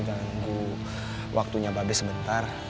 tunggu waktunya babe sebentar